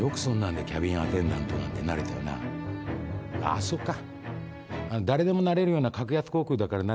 あそっか。